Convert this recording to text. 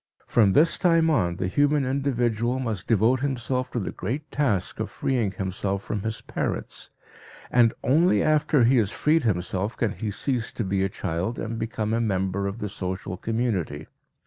From this time on the human individual must devote himself to the great task of freeing himself from his parents, and only after he has freed himself can he cease to be a child, and become a member of the social community.